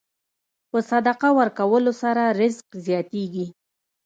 په صدقه ورکولو سره رزق زیاتېږي.